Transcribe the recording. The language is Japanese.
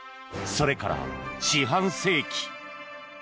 それから四半世紀。